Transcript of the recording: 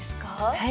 はい。